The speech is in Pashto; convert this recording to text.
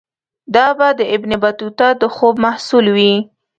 دا به د ابن بطوطه د خوب محصول وي.